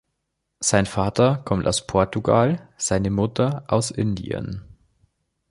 Sein Vater kommt aus Portugal, seine Mutter aus Indien.